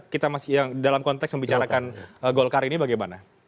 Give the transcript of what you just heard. kita masih dalam konteks membicarakan golkar ini bagaimana